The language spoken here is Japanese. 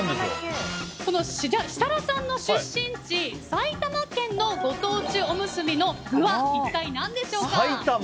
設楽さんの出身地埼玉県のご当地おむすびの具は一体、何でしょうか。